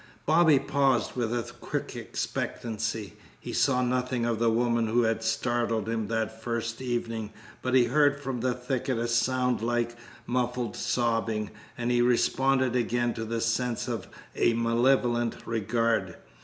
Bobby paused with a quick expectancy. He saw nothing of the woman who had startled him that first evening, but he heard from the thicket a sound like muffled sobbing, and he responded again to the sense of a malevolent regard.